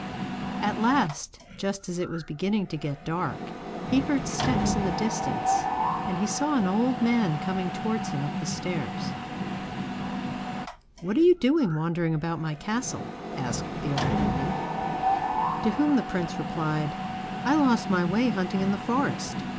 At last, just as it was beginning to get dark, he heard steps in the distance and he saw an old man coming towards him up the stairs. 'What are you doing wandering about my castle?' asked the old man. To whom the prince replied: 'I lost my way hunting in the forest.